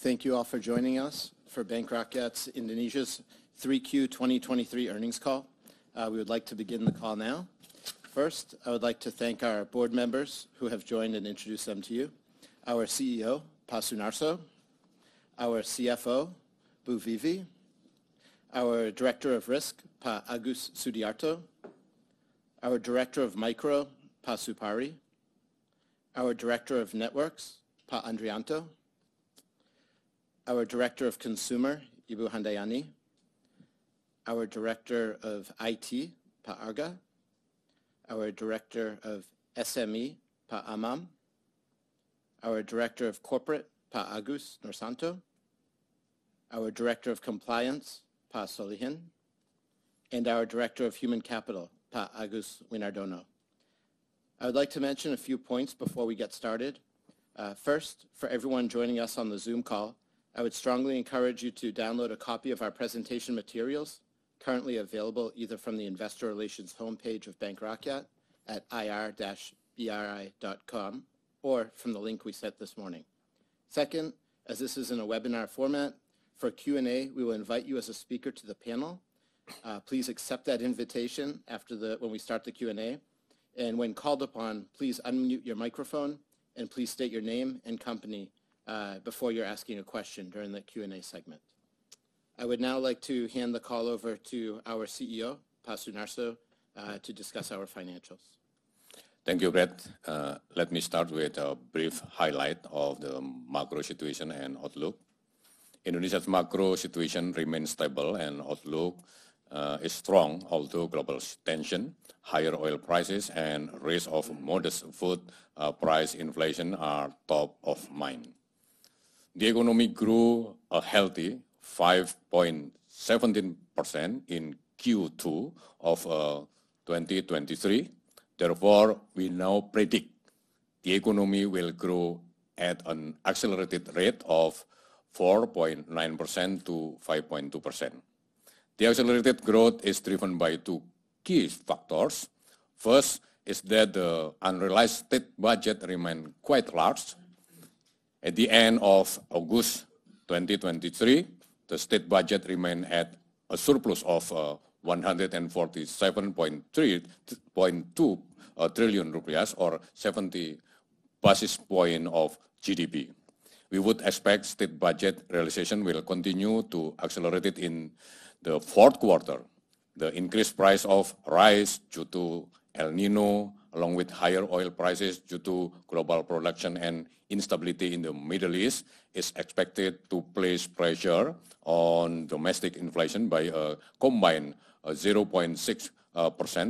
Thank you all for joining us for Bank Rakyat Indonesia's Q3 2023 Earnings Call. We would like to begin the call now. First, I would like to thank our board members who have joined and introduce them to you. Our CEO, Pak Sunarso, our CFO, Bu Vivi, our Director of Risk, Pak Agus Sudiarto, our Director of Micro, Pak Supari, our Director of Networks, Pak Andrijanto, our Director of Consumer, Ibu Handayani, our Director of IT, Pak Arga, our Director of SME, Pak Amam, our Director of Corporate, Pak Agus Noorsanto, our Director of Compliance, Pak Solihin, and our Director of Human Capital, Pak Agus Winardono. I would like to mention a few points before we get started. First, for everyone joining us on the Zoom call, I would strongly encourage you to download a copy of our presentation materials currently available either from the Investor Relations homepage of Bank Rakyat at ir-bri.com, or from the link we sent this morning. Second, as this is in a webinar format, for Q&A, we will invite you as a speaker to the panel. Please accept that invitation after we start the Q&A, and when called upon, please unmute your microphone, and please state your name and company before you're asking a question during the Q&A segment. I would now like to hand the call over to our CEO, Pak Sunarso, to discuss our financials. Thank you, Brett. Let me start with a brief highlight of the macro situation and outlook. Indonesia's macro situation remains stable, and outlook is strong, although global tension, higher oil prices, and risk of modest food price inflation are top of mind. The economy grew a healthy 5.17% in Q2 of 2023. Therefore, we now predict the economy will grow at an accelerated rate of 4.9%-5.2%. The accelerated growth is driven by two key factors. First, is that the unrealized state budget remained quite large. At the end of August 2023, the state budget remained at a surplus of IDR 147.32 trillion, or 70 basis point of GDP. We would expect state budget realization will continue to accelerate it in the Q4. The increased price of rice due to El Niño, along with higher oil prices due to global production and instability in the Middle East, is expected to place pressure on domestic inflation by a combined 0.6%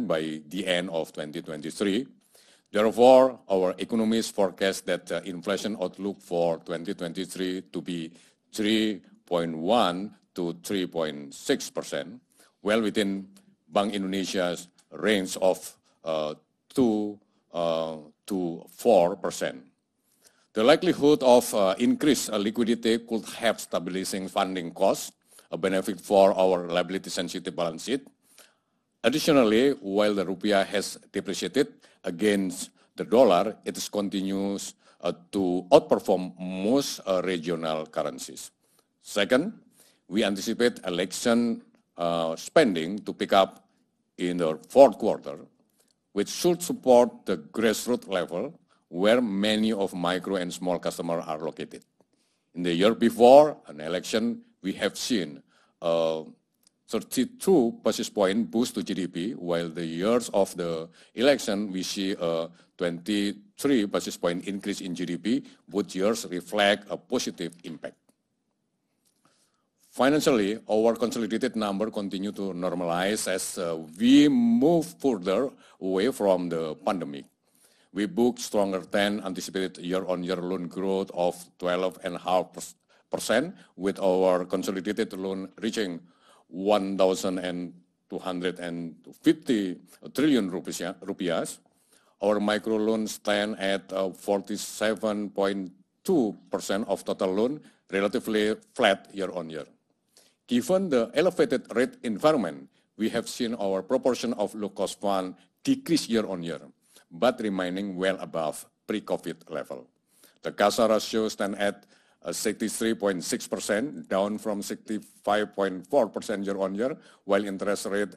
by the end of 2023. Therefore, our economists forecast that inflation outlook for 2023 to be 3.1%-3.6%, well within Bank Indonesia's range of 2%-4%. The likelihood of increased liquidity could help stabilizing funding costs, a benefit for our liability-sensitive balance sheet. Additionally, while the rupiah has depreciated against the dollar, it continues to outperform most regional currencies. Second, we anticipate election spending to pick up in the Q4, which should support the grassroots level, where many of our micro and small customers are located. In the year before an election, we have seen 32 basis point boost to GDP, while the years of the election, we see a 23 basis point increase in GDP, both years reflect a positive impact. Financially, our consolidated number continued to normalize as we move further away from the pandemic. We booked stronger than anticipated year-on-year loan growth of 12.5%, with our consolidated loan reaching IDR 1,250 trillions. Our micro loans stand at 47.2% of total loan, relatively flat year-on-year. Given the elevated rate environment, we have seen our proportion of low-cost fund decrease year-on-year, but remaining well above pre-COVID level. The CASA ratio stand at 63.6%, down from 65.4% year-on-year, while interest rate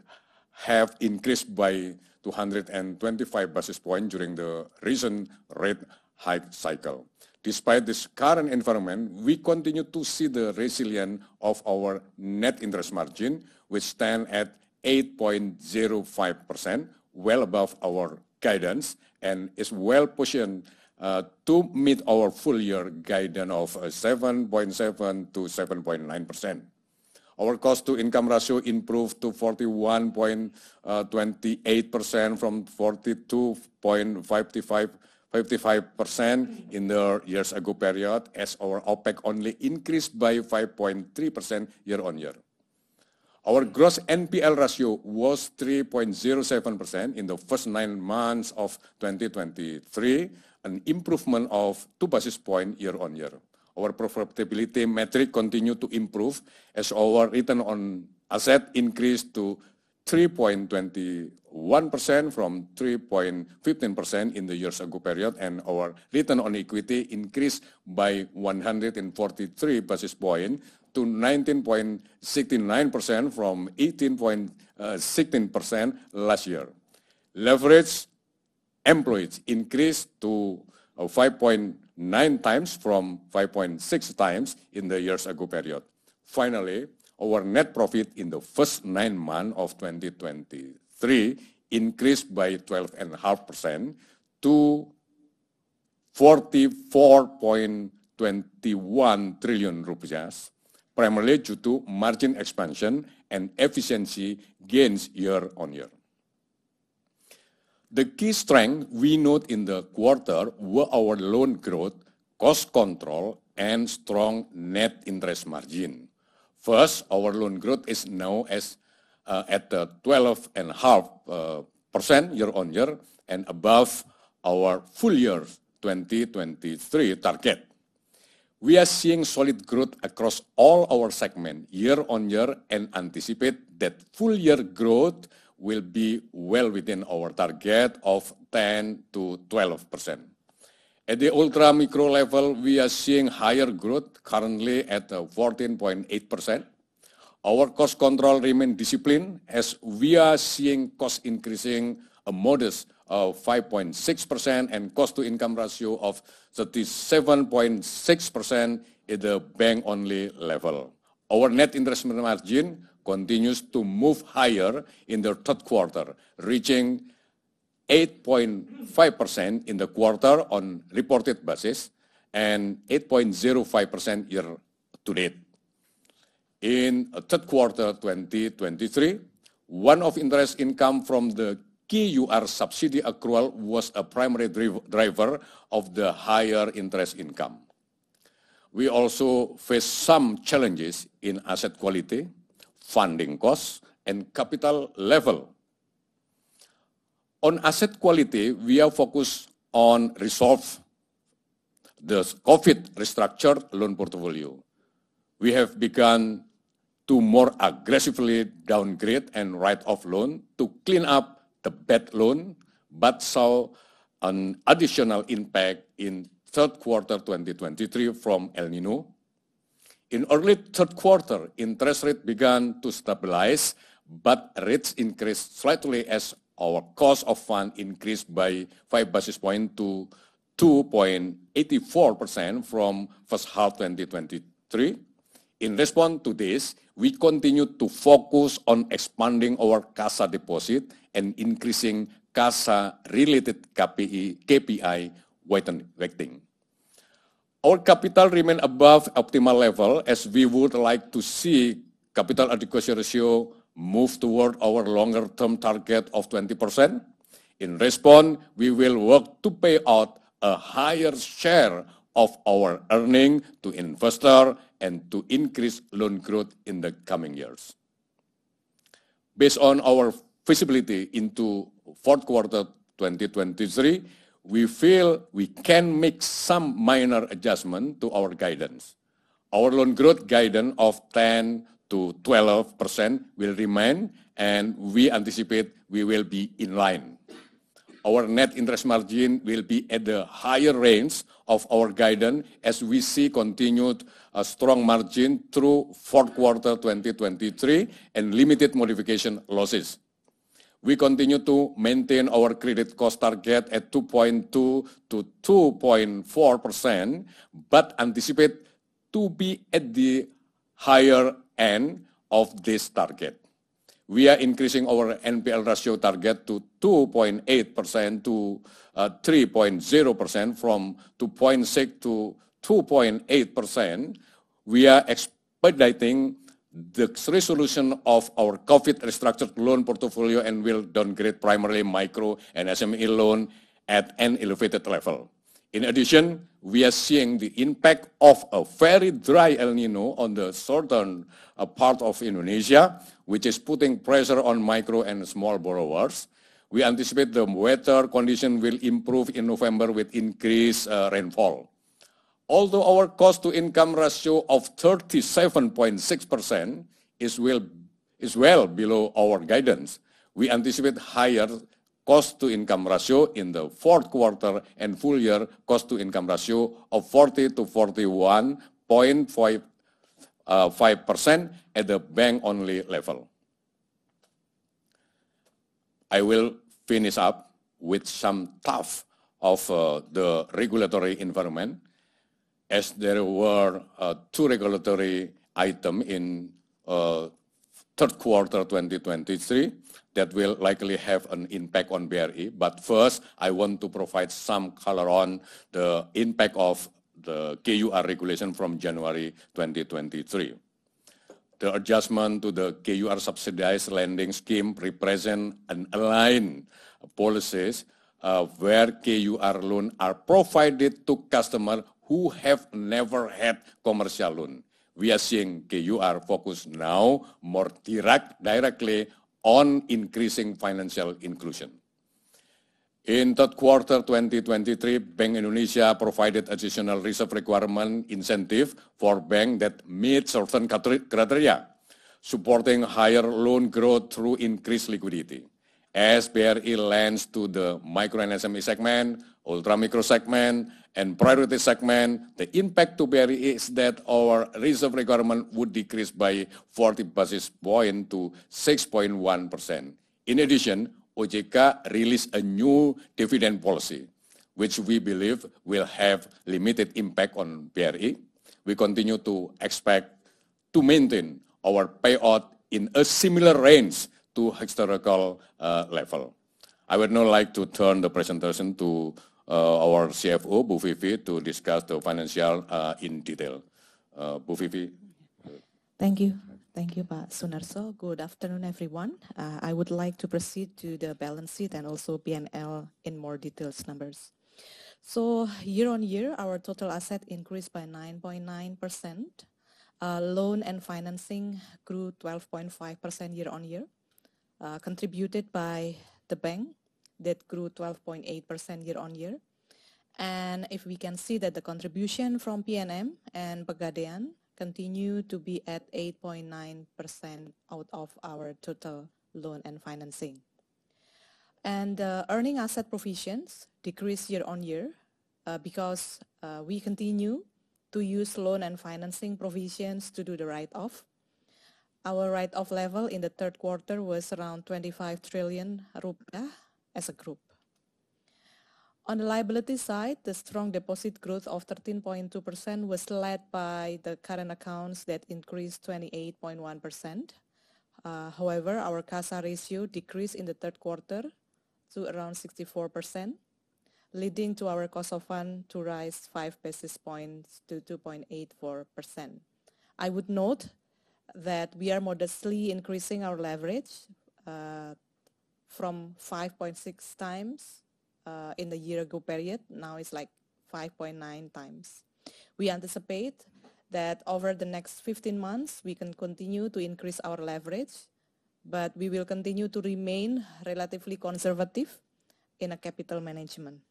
have increased by 225 basis points during the recent rate hike cycle. Despite this current environment, we continue to see the resilience of our net interest margin, which stand at 8.05%, well above our guidance, and is well-positioned to meet our full year guidance of 7.7%-7.9%. Our cost-to-income ratio improved to 41.28% from 42.55% in the years ago period, as our OpEx only increased by 5.3% year-on-year. Our gross NPL ratio was 3.07% in the first nine months of 2023, an improvement of two basis points year-on-year. Our profitability metric continued to improve, as our return on asset increased to 3.21% from 3.15% in the year-ago period, and our return on equity increased by 143 basis point to 19.69% from 18.16% last year. Leverage employs increased to 5.9x from 5.6x in the year-ago period. Finally, our net profit in the first nine months of 2023 increased by 12.5% to IDR 44.21 trillion, primarily due to margin expansion and efficiency gains year-on-year. The key strength we note in the quarter were our loan growth, cost control, and strong net interest margin. First, our loan growth is now at the 12.5% year-on-year and above our full year 2023 target. We are seeing solid growth across all our segments year-on-year, and anticipate that full year growth will be well within our target of 10%-12%. At the ultra micro level, we are seeing higher growth, currently at 14.8%. Our cost control remain disciplined as we are seeing costs increasing a modest 5.6% and cost-to-income ratio of 37.6% at the bank-only level. Our net interest margin continues to move higher in the Q3, reaching 8.5% in the quarter on reported basis and 8.05% year-to-date. In Q3 2023, one of interest income from the KUR subsidy accrual was a primary driver of the higher interest income. We also face some challenges in asset quality, funding costs, and capital level. On asset quality, we are focused on resolve the COVID restructured loan portfolio. We have begun to more aggressively downgrade and write off loan to clean up the bad loan, but saw an additional impact in Q3 2023 from El Niño. In early Q3, interest rate began to stabilize, but rates increased slightly as our cost of fund increased by five basis points to 2.84% from H1 2023. In response to this, we continued to focus on expanding our CASA deposit and increasing CASA-related KPI, KPI weighting. Our capital remains above optimal level, as we would like to see capital adequacy ratio move toward our longer-term target of 20%. In response, we will work to pay out a higher share of our earnings to investors and to increase loan growth in the coming years. Based on our visibility into Q4 2023, we feel we can make some minor adjustments to our guidance. Our loan growth guidance of 10%-12% will remain, and we anticipate we will be in line. Our net interest margin will be at the higher range of our guidance as we see continued strong margin through Q4 2023 and limited modification losses. We continue to maintain our credit cost target at 2.2%-2.4%, but anticipate to be at the higher end of this target. We are increasing our NPL ratio target to 2.8%-3.0% from 2.6%-2.8%. We are expediting the resolution of our COVID restructured loan portfolio and will downgrade primary micro and SME loan at an elevated level. In addition, we are seeing the impact of a very dry El Niño on the southern part of Indonesia, which is putting pressure on micro and small borrowers. We anticipate the weather condition will improve in November with increased rainfall. Although our cost to income ratio of 37.6% is well, is well below our guidance, we anticipate higher cost to income ratio in the Q4 and full year cost to income ratio of 40%-41.5% at the bank-only level. I will finish up with some thoughts on the regulatory environment, as there were two regulatory items in Q3 2023 that will likely have an impact on BRI. But first, I want to provide some color on the impact of the KUR regulation from January 2023. The adjustment to the KUR subsidized lending scheme represent an aligned policies, where KUR loans are provided to customers who have never had commercial loan. We are seeing KUR focus now more directly on increasing financial inclusion. In Q3 2023, Bank Indonesia provided additional reserve requirement incentive for banks that meet certain criteria, supporting higher loan growth through increased liquidity. As BRI lends to the micro and SME segment, ultra micro segment, and priority segment, the impact to BRI is that our reserve requirement would decrease by 40 basis points to 6.1%. In addition, OJK released a new dividend policy, which we believe will have limited impact on BRI. We continue to expect to maintain our payout in a similar range to historical level. I would now like to turn the presentation to our CFO, Bu Vivi, to discuss the financial in detail. Bu Vivi? Thank you. Thank you, Pak Sunarso. Good afternoon, everyone. I would like to proceed to the balance sheet and also P&L in more details numbers. Year-on-year, our total asset increased by 9.9%. Loan and financing grew 12.5% year-on-year, contributed by the bank that grew 12.8% year-on-year. And if we can see that the contribution from PNM and Pegadaian continue to be at 8.9% out of our total loan and financing. And earning asset provisions decreased year-on-year, because we continue to use loan and financing provisions to do the write-off. Our write-off level in the Q3 was around 25 trillion rupiah as a group. On the liability side, the strong deposit growth of 13.2% was led by the current accounts that increased 28.1%. However, our CASA ratio decreased in the Q3 to around 64%, leading to our cost of fund to rise 5 basis points to 2.84%. I would note that we are modestly increasing our leverage from 5.6x in the year-ago period; now it's like 5.9x. We anticipate that over the next 15 months, we can continue to increase our leverage, but we will continue to remain relatively conservative in capital management.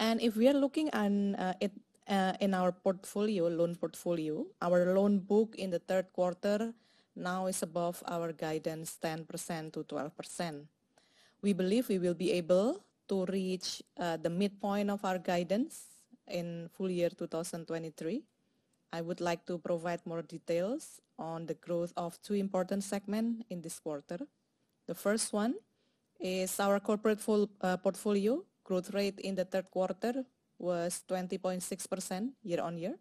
And if we are looking on it in our portfolio, loan portfolio, our loan book in the Q3 now is above our guidance, 10%-12%. We believe we will be able to reach the midpoint of our guidance in full year 2023. I would like to provide more details on the growth of two important segment in this quarter. The first one is our corporate portfolio. Growth rate in the Q3 was 20.6% year-on-year.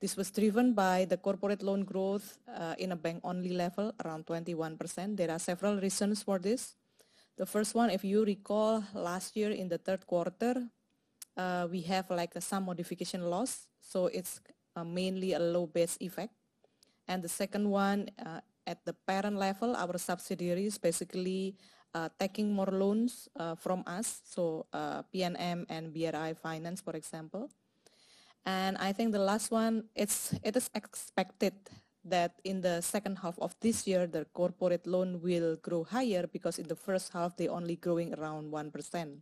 This was driven by the corporate loan growth in a bank-only level, around 21%. There are several reasons for this. The first one, if you recall, last year in theQ3, we have, like, some modification loss, so it's mainly a low base effect. And the second one, at the parent level, our subsidiaries basically taking more loans from us, so PNM and BRI Finance, for example. I think the last one, it is expected that in the second half of this year, the corporate loan will grow higher, because in the first half, they only growing around 1%.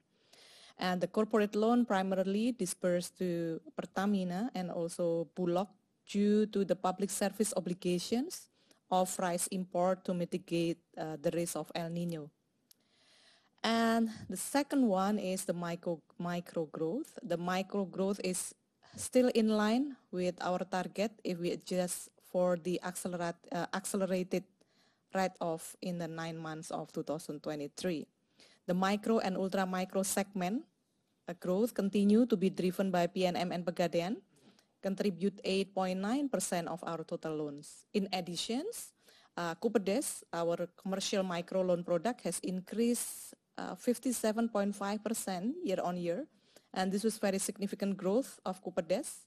And the corporate loan primarily dispersed to Pertamina and also Bulog, due to the public service obligations of rice import to mitigate the risk of El Niño. And the second one is the micro growth. The micro growth is still in line with our target if we adjust for the accelerated write-off in the nine months of 2023. The micro and ultra micro segment growth continue to be driven by PNM and Pegadaian, contribute 8.9% of our total loans. In addition, Kupedes our commercial micro loan product, has increased 57.5% year-on-year, and this was very significant growth of Kupedes.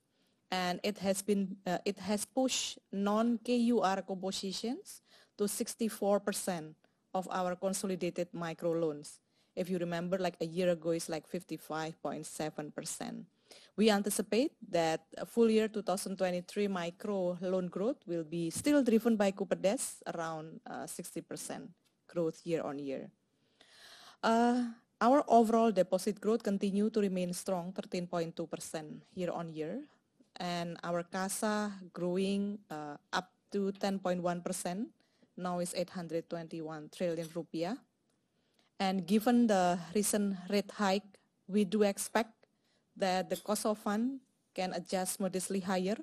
And it has been. It has pushed non-KUR compositions to 64% of our consolidated micro loans. If you remember, like, a year ago, it's like 55.7%. We anticipate that full year 2023 micro loan growth will be still driven by Kupedes, around 60% growth year-on-year. Our overall deposit growth continues to remain strong, 13.2% year-on-year, and our CASA growing up to 10.1%, now is 821 trillion rupiah. And given the recent rate hike, we do expect that the cost of fund can adjust modestly higher.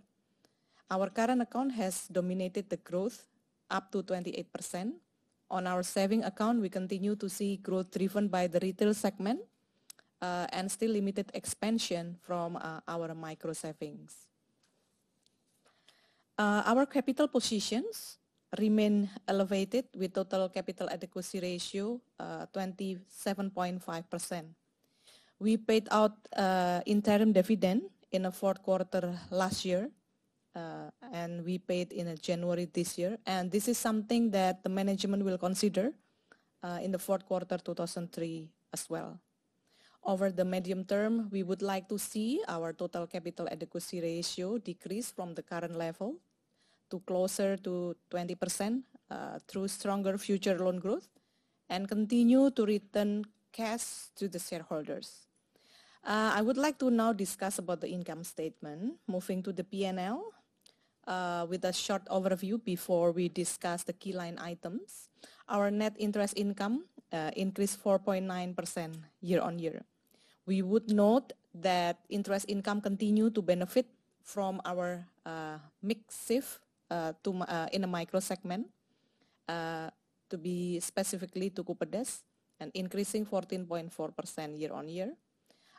Our current account has dominated the growth up to 28%. On our savings account, we continue to see growth driven by the retail segment, and still limited expansion from our micro savings. Our capital positions remain elevated, with total capital adequacy ratio 27.5%. We paid out interim dividend in the q4 last year, and we paid in January this year. This is something that the management will consider in the Q4 2023 as well... Over the medium term, we would like to see our total capital adequacy ratio decrease from the current level to closer to 20%, through stronger future loan growth, and continue to return cash to the shareholders. I would like to now discuss about the income statement. Moving to the P&L, with a short overview before we discuss the key line items. Our net interest income increased 4.9% year-on-year. We would note that interest income continued to benefit from our mix shift to micro segment, to be specifically to Kupedes, and increasing 14.4% year-on-year.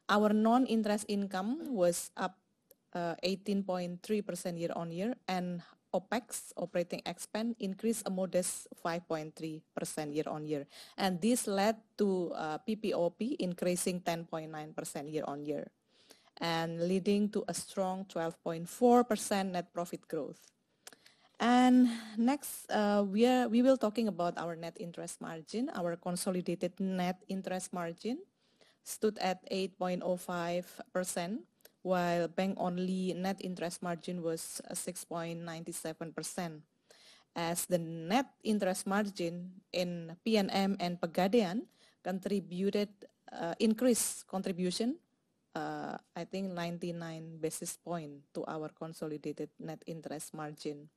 Our non-interest income was up 18.3% year-on-year, and OpEx, operating expense, increased a modest 5.3% year-on-year. This led to PPOP increasing 10.9% year-on-year, and leading to a strong 12.4% net profit growth. Next, we will talking about our net interest margin. Our consolidated net interest margin stood at 8.05%, while bank-only net interest margin was 6.97%. As the net interest margin in PNM and Pegadaian contributed increased contribution, I think 99 basis points to our consolidated net interest margin.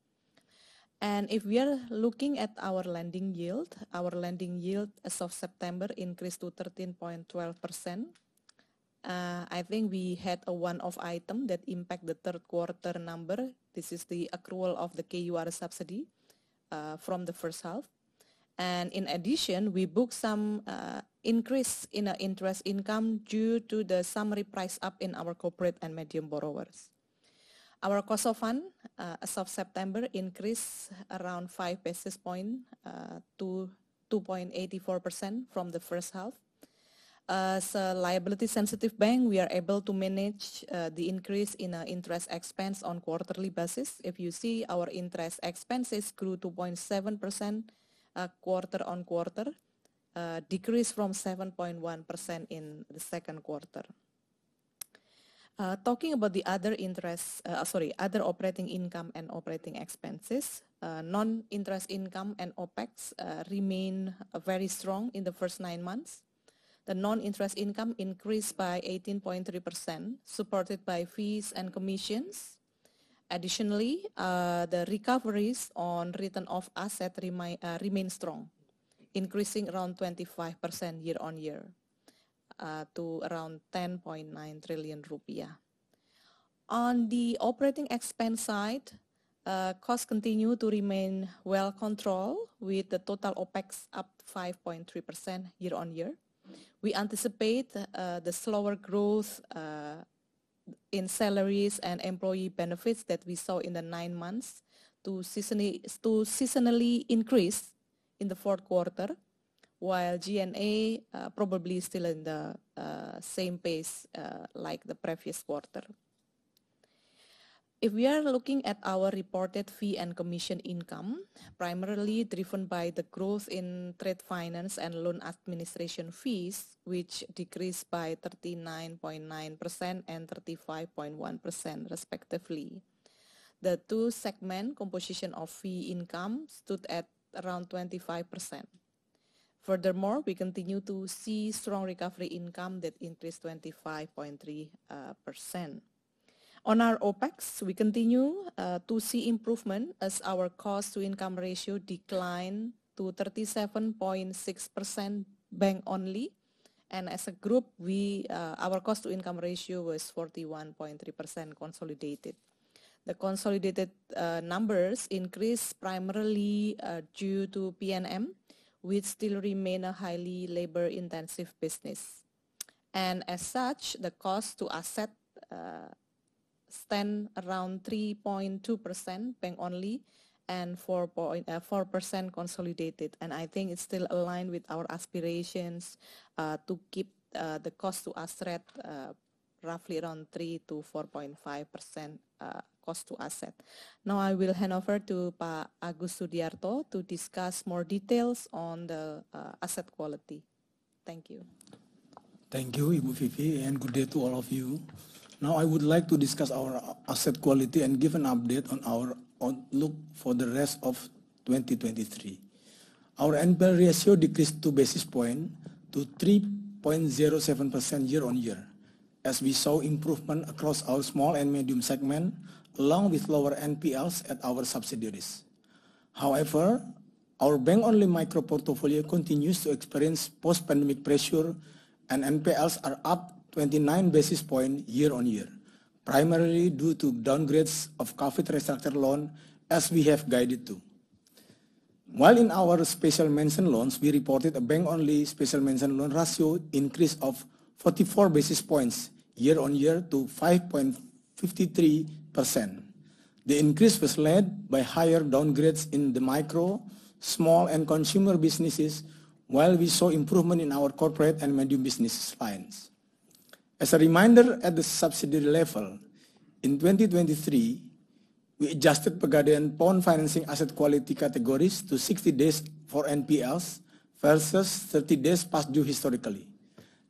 If we are looking at our lending yield, our lending yield as of September increased to 13.12%. I think we had a one-off item that impact the Q3 number. This is the accrual of the KUR subsidy from the H1. In addition, we booked some increase in interest income due to the re-pricing up in our corporate and medium borrowers. Our cost of fund as of September increased around 5 basis points to 2.84% from the H1. As a liability-sensitive bank, we are able to manage the increase in interest expense on quarterly basis. If you see, our interest expenses grew to 0.7%, quarter-on-quarter, decreased from 7.1% in the Q2. Talking about the other interest, sorry, other operating income and operating expenses, non-interest income and OpEx remain very strong in the first nine months. The non-interest income increased by 18.3%, supported by fees and commissions. Additionally, the recoveries on return of asset remain strong, increasing around 25% year-on-year, to around 10.9 trillion rupiah. On the operating expense side, costs continue to remain well controlled, with the total OpEx up 5.3% year-on-year. We anticipate the slower growth in salaries and employee benefits that we saw in the nine months to seasonally increase in the Q4, while G&A probably is still in the same pace like the previous quarter. If we are looking at our reported fee and commission income, primarily driven by the growth in trade finance and loan administration fees, which decreased by 39.9% and 35.1% respectively. The two segment composition of fee income stood at around 25%. Furthermore, we continue to see strong recovery income that increased 25.3%. On our OpEx, we continue to see improvement as our cost-to-income ratio declined to 37.6% bank-only. And as a group, we our cost-to-income ratio was 41.3% consolidated. The consolidated numbers increased primarily due to PNM, which still remain a highly labor-intensive business. And as such, the cost to asset stand around 3.2% bank-only, and 4.4% consolidated. And I think it's still aligned with our aspirations to keep the cost to asset at roughly around 3%-4.5%, cost to asset. Now I will hand over to Pak Agus Sudiarto to discuss more details on the asset quality. Thank you. Thank you, Bu Vivi, and good day to all of you. Now, I would like to discuss our asset quality and give an update on our outlook for the rest of 2023. Our NPL ratio decreased 2 basis points to 3.07% year-on-year, as we saw improvement across our small and medium segment, along with lower NPLs at our subsidiaries. However, our bank-only micro portfolio continues to experience post-pandemic pressure, and NPLs are up 29 basis points year-on-year, primarily due to downgrades of COVID restructure loan, as we have guided to. While in our special mention loans, we reported a bank-only special mention loan ratio increase of 44 basis points year-on-year to 5.53%. The increase was led by higher downgrades in the micro, small, and consumer businesses, while we saw improvement in our corporate and medium businesses clients. As a reminder, at the subsidiary level, in 2023, we adjusted Pegadaian pawn financing asset quality categories to 60 days for NPLs versus 30 days past due historically.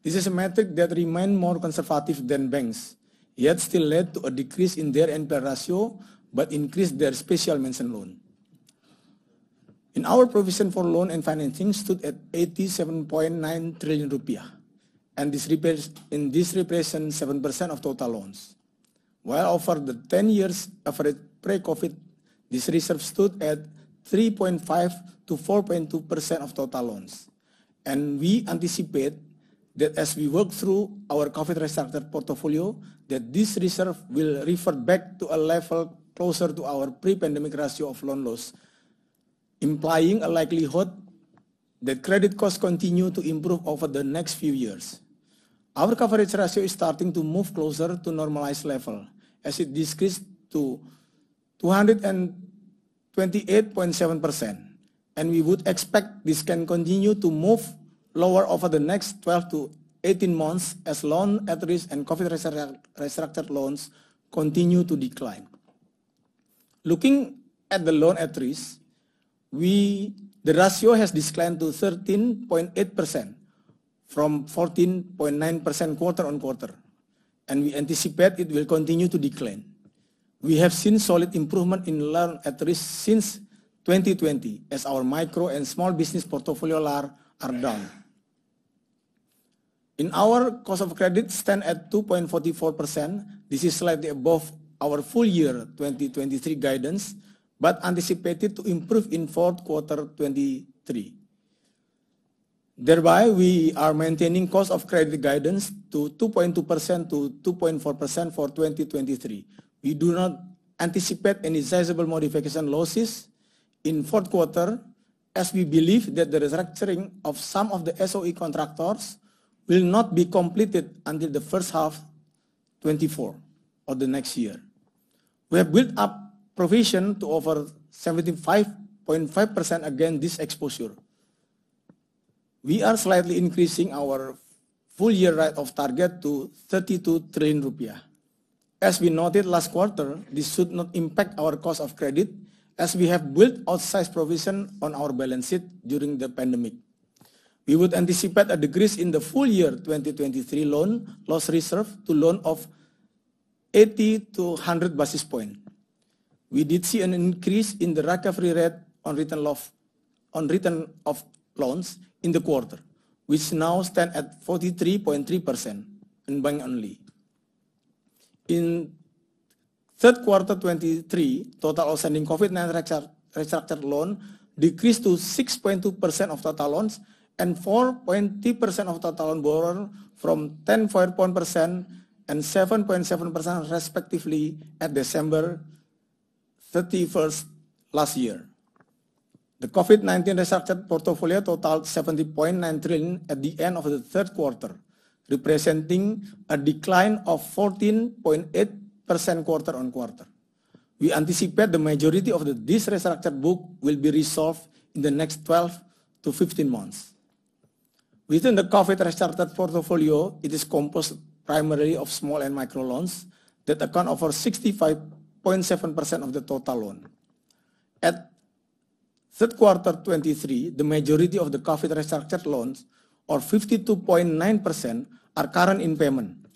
This is a metric that remained more conservative than banks, yet still led to a decrease in their NPL ratio, but increased their special mention loan. Our provision for loan and financing stood at 87.9 trillion rupiah, and this represents 7% of total loans. While over the 10 years average pre-COVID, this reserve stood at 3.5%-4.2% of total loans. We anticipate that as we work through our COVID restructured portfolio, that this reserve will revert back to a level closer to our pre-pandemic ratio of loan loss, implying a likelihood that credit costs continue to improve over the next few years. Our coverage ratio is starting to move closer to normalized level, as it decreased to 228.7%, and we would expect this can continue to move lower over the next 12-18 months as loan at-risk and COVID restructured loans continue to decline. Looking at the loan at-risk, we... The ratio has declined to 13.8% from 14.9% quarter-on-quarter, and we anticipate it will continue to decline. We have seen solid improvement in loan at-risk since 2020, as our micro and small business portfolio are down. Our cost of credit stands at 2.44%. This is slightly above our full year 2023 guidance, but anticipated to improve in Q4 2023. Thereby, we are maintaining Cost of Credit guidance to 2.2%-2.4% for 2023. We do not anticipate any sizable modification losses in Q4, as we believe that the restructuring of some of the SOE contractors will not be completed until the H1 2024 or the next year. We have built up provision to over 75.5% against this exposure. We are slightly increasing our full year write off target to 32 trillion rupiah. As we noted last quarter, this should not impact our Cost of Credit, as we have built outsized provision on our balance sheet during the pandemic. We would anticipate a decrease in the full year 2023 loan loss reserve-to-loan of 80-100 basis points. We did see an increase in the recovery rate on written off, on written off loans in the quarter, which now stand at 43.3% in bank only. In Q3 2023, total outstanding COVID-19 restructure, restructured loan decreased to 6.2% of total loans and 4.2% of total loan borrower from 10.1% and 7.7%, respectively, at 31 December last year. The COVID-19 restructured portfolio totaled 70.9 trillion at the end of the Q3, representing a decline of 14.8% quarter on quarter. We anticipate the majority of the... This restructured book will be resolved in the next 12-15 months. Within the COVID restructured portfolio, it is composed primarily of small and micro loans that account over 65.7% of the total loan. At third quarter 2023, the majority of the COVID restructured loans, or 52.9%, are current in payment,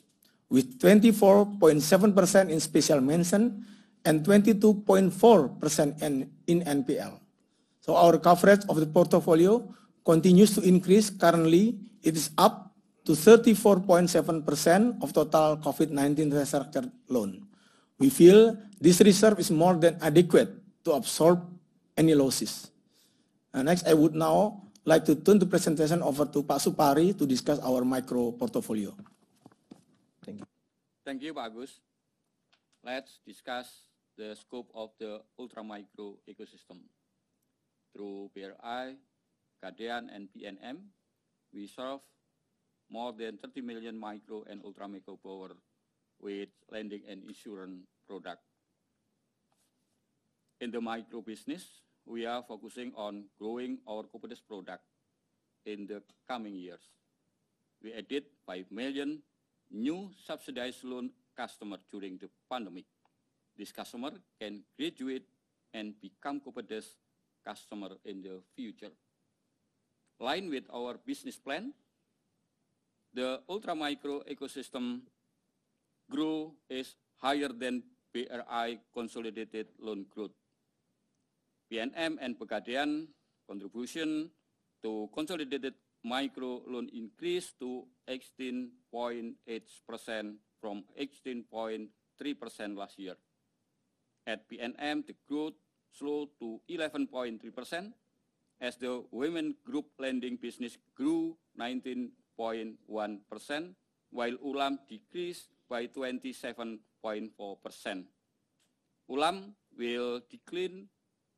with 24.7% in special mention and 22.4% in NPL. So our coverage of the portfolio continues to increase. Currently, it is up to 34.7% of total COVID-19 restructured loan. We feel this reserve is more than adequate to absorb any losses. And next, I would now like to turn the presentation over to Pak Supari to discuss our micro portfolio. Thank you. Thank you, Pak Agus. Let's discuss the scope of the ultra-micro ecosystem. Through BRI, Pegadaian, and PNM, we serve more than 30 million micro and ultra-micro borrowers with lending and insurance products. In the micro business, we are focusing on growing our corporate product in the coming years. We added five million new subsidized loan customers during the pandemic. These customers can graduate and become corporate customers in the future. In line with our business plan, the ultra-micro ecosystem growth is higher than BRI consolidated loan growth. PNM and Pegadaian contribution to consolidated micro loan increased to 18.8% from 18.3% last year. At PNM, the growth slowed to 11.3%, as the women group lending business grew 19.1%, while ULaMM decreased by 27.4%. ULaMM will decline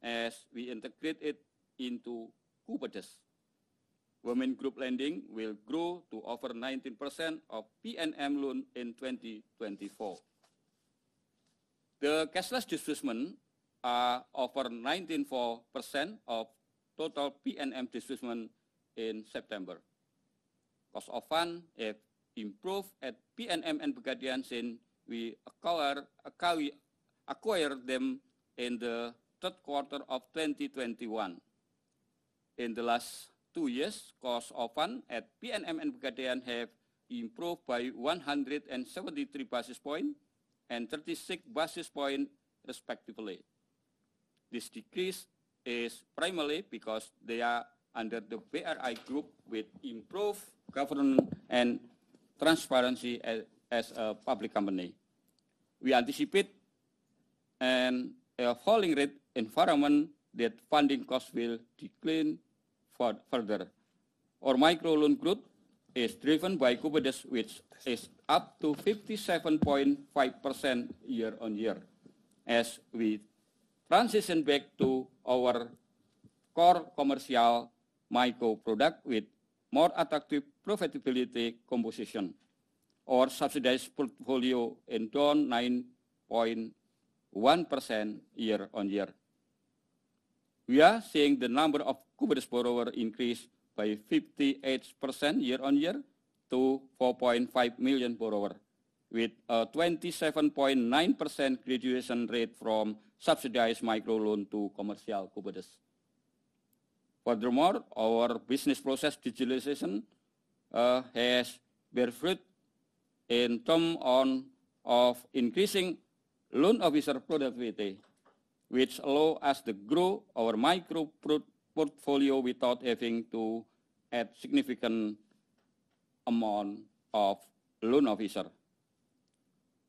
as we integrate it into corporate. Women group lending will grow to over 19% of PNM loan in 2024. The cashless disbursement are over 94% of total PNM disbursement in September. Cost of fund have improved at PNM and Bank Adira since we acquire them in the third quarter of 2021. In the last two years, cost of fund at PNM and Bank Adira have improved by 173 basis points and 36 basis points, respectively. This decrease is primarily because they are under the BRI group, with improved governance and transparency as a public company. We anticipate a falling rate environment that funding costs will decline further. Our microloan growth is driven by Kupedes, which is up 57.5% year-on-year, as we transition back to our core commercial micro product with more attractive profitability composition, or subsidized portfolio is down 9.1% year-on-year. We are seeing the number of Kupedes borrowers increase by 58% year-on-year to 4.5 million borrowers, with a 27.9% graduation rate from subsidized microloan to commercial Kupedes. Furthermore, our business process digitalization has borne fruit in terms of increasing loan officer productivity, which allows us to grow our micro portfolio without having to add significant amount of loan officers.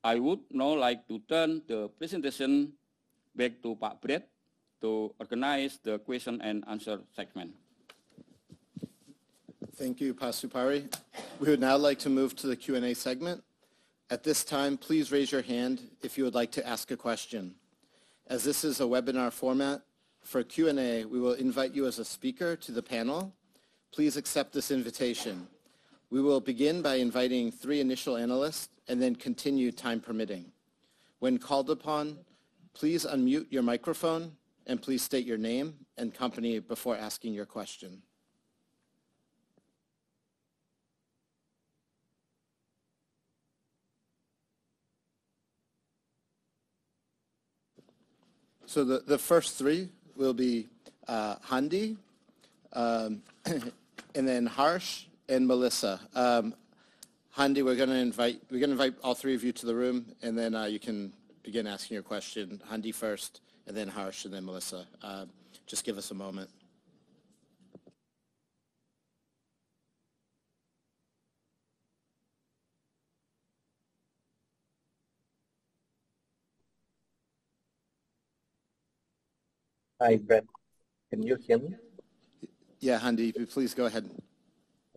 I would now like to turn the presentation back to Pak Brett to organize the question and answer segment. Thank you, Pak Supari. We would now like to move to the Q&A segment. At this time, please raise your hand if you would like to ask a question. As this is a webinar format, for Q&A, we will invite you as a speaker to the panel. Please accept this invitation. We will begin by inviting three initial analysts and then continue, time permitting. When called upon, please unmute your microphone, and please state your name and company before asking your question. So the first three will be Handy, and then Harsh, and Melissa. Handy, we're gonna invite... We're gonna invite all three of you to the room, and then you can begin asking your question. Handy first, and then Harsh, and then Melissa. Just give us a moment. Hi, Brett. Can you hear me? Yeah, Handayani, if you please go ahead.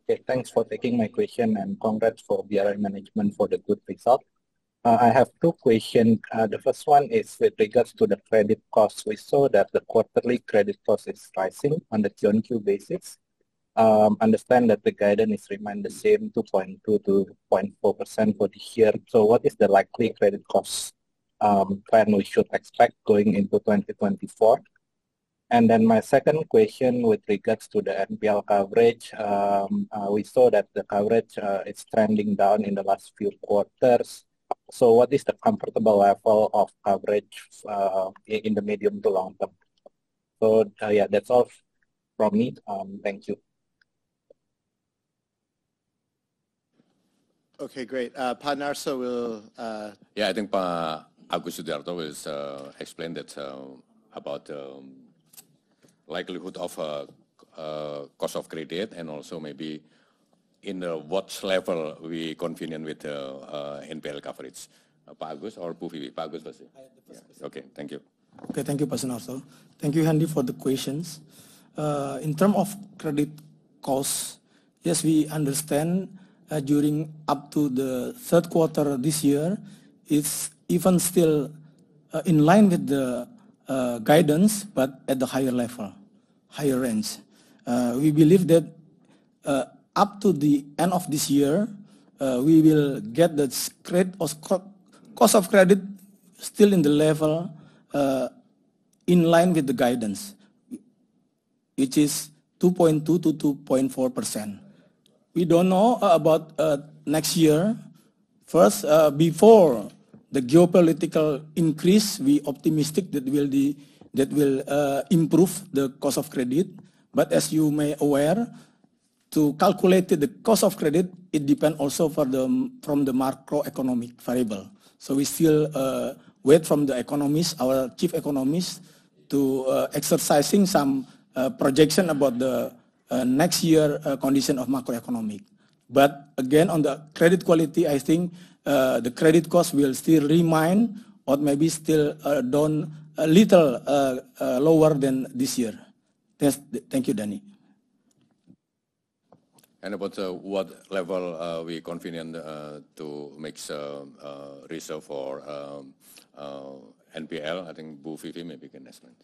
Okay, thanks for taking my question, and congrats for BRI management for the good result. I have two question. The first one is with regards to the credit costs. We saw that the quarterly credit cost is rising on the Q&Q basis. I understand that the guidance is remain the same, 2.2%-2.4% for the year. So what is the likely credit costs plan we should expect going into 2024? And then my second question with regards to the NPL coverage. We saw that the coverage is trending down in the last few quarters. So what is the comfortable level of coverage in the medium to long term? Yeah, that's all from me. Thank you. Okay, great. Pak Sunarso will, Yeah, I think Pak Agus Sudiarto will explain that about likelihood of cost of credit, and also maybe in what level we are confident with NPL coverage. Pak Agus or Bu Vivi. Pak Agus, first. I have the first. Okay, thank you. Okay, thank you, Pak Sunarso. Thank you, Handy, for the questions. In terms of credit costs, yes, we understand, during up to the Q3 this year, it's even still in line with the guidance, but at the higher level, higher range. We believe that, up to the end of this year, we will get the cost of credit still in the level in line with the guidance, which is 2.2%-2.4%. We don't know about next year. First, before the geopolitical increase, we optimistic that will improve the cost of credit. But as you may aware, to calculate the cost of credit, it depend also for the, from the macroeconomic variable. So we still wait from the economist, our chief economist, to exercising some projection about the next year condition of macroeconomic. But again, on the credit quality, I think the credit cost will still remain or maybe still down a little lower than this year. Yes. Thank you, Danny. About what level we confident to make some reserve for NPL, I think Bu Vivi maybe can explain.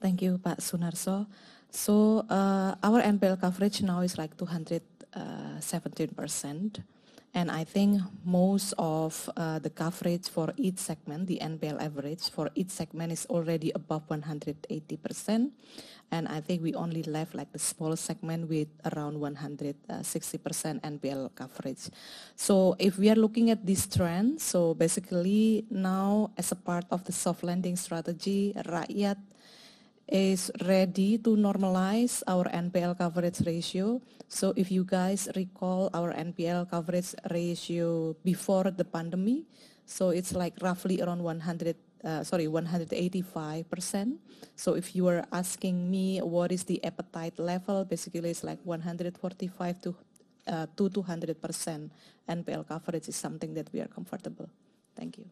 Thank you, Pak Sunarso. So, our NPL coverage now is like 217%. And I think most of, the coverage for each segment, the NPL average for each segment is already above 180%, and I think we only left, like, the small segment with around 160% NPL coverage. So if we are looking at this trend, so basically now, as a part of the soft lending strategy, Rakyat is ready to normalize our NPL coverage ratio. So if you guys recall our NPL coverage ratio before the pandemic, so it's like roughly around 185%. So if you are asking me what is the appetite level, basically it's like 145%-200% NPL coverage is something that we are comfortable. Thank you.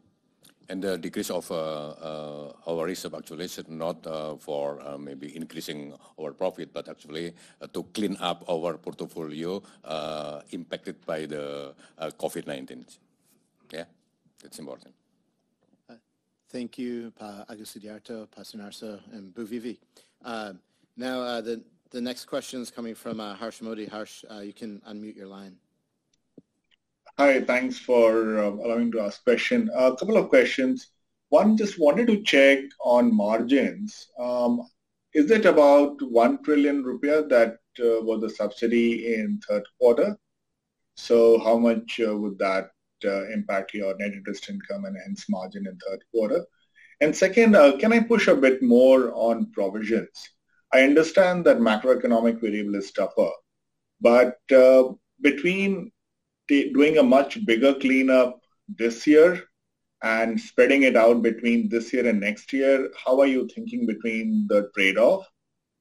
The decrease of our reserve actually should not for maybe increasing our profit, but actually to clean up our portfolio impacted by the COVID-19. Okay? It's important. Thank you, Pak Agus Sudiarto, Pak Sunarso, and Bu Vivi. Now, the next question is coming from Harsh Mody. Harsh, you can unmute your line. Hi, thanks for allowing me to ask question. A couple of questions. One, just wanted to check on margins. Is it about 1 trillion rupiah that was the subsidy in Q3? So how much would that impact your net interest income and hence margin in Q3? And second, can I push a bit more on provisions? I understand that macroeconomic variable is tougher, but between doing a much bigger cleanup this year and spreading it out between this year and next year, how are you thinking between the trade-off?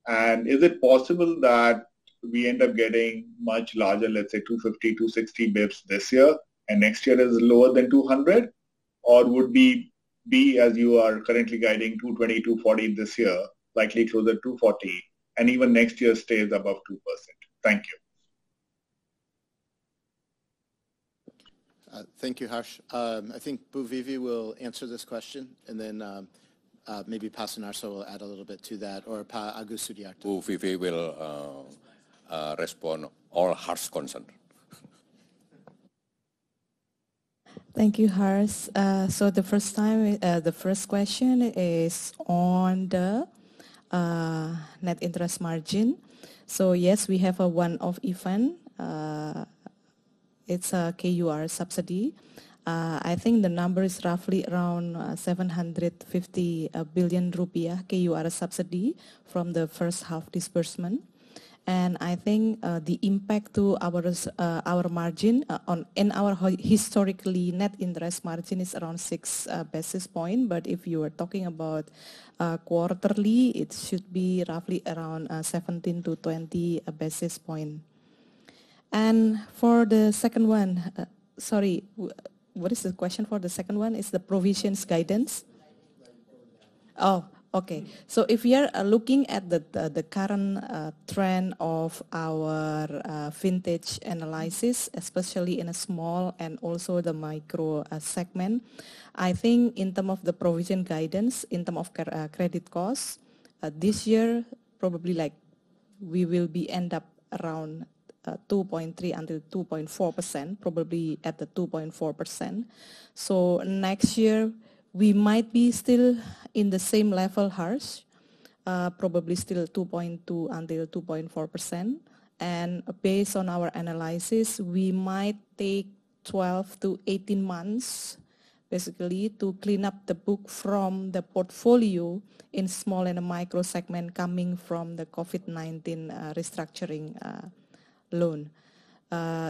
And is it possible that we end up getting much larger, let's say, 250-260 basis points this year, and next year is lower than 200 basis points? Or would be as you are currently guiding, 2.20%-2.40% this year, likely toward the 2.40%, and even next year stays above 2%. Thank you. Thank you, Harsh. I think Bu Vivi will answer this question, and then, maybe Pak Sunarso will add a little bit to that, or Pak Agus Sudiarto. Bu Vivi will respond all Harsh concern. Thank you, Harsh. The first question is on the net interest margin. Yes, we have a one-off event. It's a KUR subsidy. I think the number is roughly around 750 billion rupiah KUR subsidy from the H1 disbursement. I think the impact to our margin. Historically net interest margin is around six basis point. But if you are talking about quarterly, it should be roughly around 17-20 basis point. For the second one, sorry, what is the question for the second one? It's the provisions guidance? Oh, okay. So if we are looking at the current trend of our vintage analysis, especially in a small and also the micro segment, I think in term of the provision guidance, in term of credit costs, this year, probably like we will end up around 2.3%-2.4%, probably at the 2.4%. So next year we might be still in the same level, Harsh, probably still 2.2%-2.4%. And based on our analysis, we might take 12-18 months, basically, to clean up the book from the portfolio in small and micro segment coming from the COVID-19 restructuring loan.